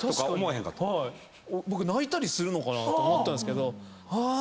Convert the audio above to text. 僕泣いたりするのかなと思ったんすけど。